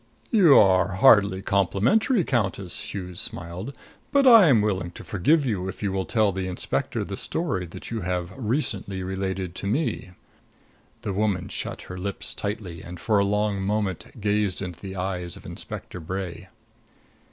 "You are hardly complimentary, Countess," Hughes smiled. "But I am willing to forgive you if you will tell the inspector the story that you have recently related to me." The woman shut her lips tightly and for a long moment gazed into the eyes of Inspector Bray.